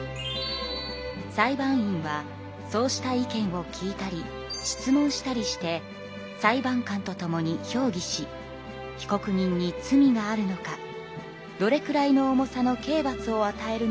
裁判員はそうした意見を聞いたり質問したりして裁判官と共に評議し被告人に罪があるのかどれくらいの重さの刑罰をあたえるのがよいのか話し合い